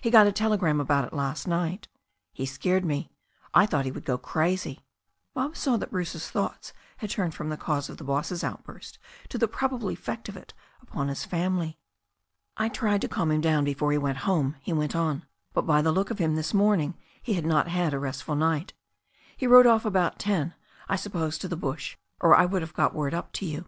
He got a telegram about it last night. He scared me. I thought he would go crazy." Bob saw that Bruce's thoughts had turned from the cause of the boss's outburst to the probable effect of it upon his family. "I tried to calm him down before he went home," he went on, "but by the look of him this morning he had not had a restful night He rode off about ten, I supposed to the bush, or I would have got word up to you.